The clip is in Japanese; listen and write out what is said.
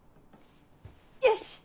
よし！